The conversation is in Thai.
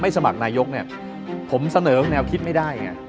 ไม่สมัครนายกผมเสนอแนวคิดไม่ได้